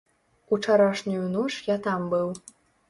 Учарашнюю ноч я там быў.